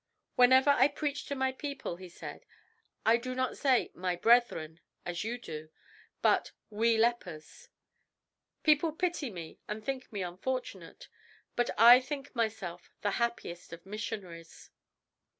"Whenever I preach to my people," he said, "I do not say 'my brethren,' as you do, but 'we lepers.' People pity me and think me unfortunate, but I think myself the happiest of missionaries."